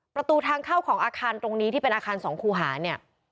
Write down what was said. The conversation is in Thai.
ประตูทางเข้าของอาคารตรงนี้ที่เป็นอาคาร๒คูหาเนี่ย